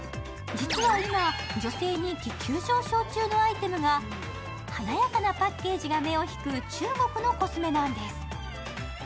実は今、女性人気急上昇中のアイテムが華やかなパッケージが目を引く中国のコスメなんです。